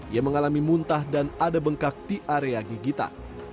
ia mengalami muntah dan ada bengkak di area gigitan